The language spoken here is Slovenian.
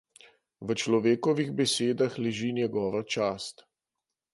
V človekovih besedah leži njegova čast.